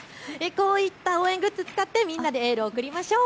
こういった応援グッズを使ってエールを送りましょう。